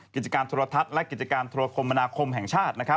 กิจการโทรทัศน์และกิจการธุรคมมนาคมแห่งชาติ